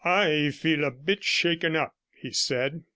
'I feel a bit shaken up,' he said.